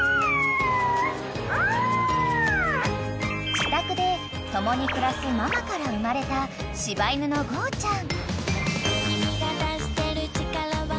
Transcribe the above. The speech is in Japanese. ［自宅で共に暮らすママから産まれた柴犬のゴーちゃん］